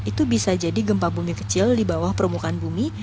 itu bisa jadi gempa bumi kecil di bawah permukaan bumi